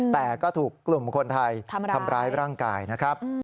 แต่ก็ถูกกลุ่มคนไทยทำร้ายร่างกายนะครับ